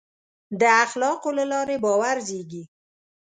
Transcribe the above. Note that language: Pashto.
د اخلاقو له لارې باور زېږي.